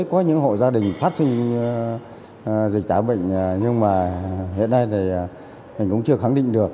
có những hộ gia đình phát sinh dịch tả lợn châu phi nhưng mà hiện nay thì mình cũng chưa khẳng định được